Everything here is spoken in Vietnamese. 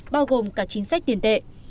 bao gồm cả chính sách tiền tệ